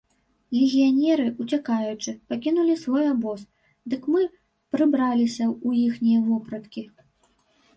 Легіянеры, уцякаючы, пакінулі свой абоз, дык мы прыбраліся ў іхнія вопраткі.